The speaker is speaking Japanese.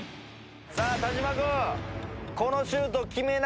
さあ田島君。